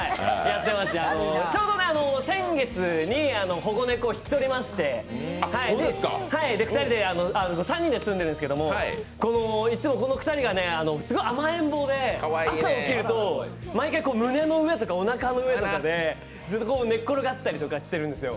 ちょうどね、先月に保護猫を引き取りまして３人で住んでいるんですけど、いつもこの２人がすごい甘えん坊で、朝起きると毎回、胸の上とかおなかの上とかでずっと寝っ転がったりとかしてるんですよ。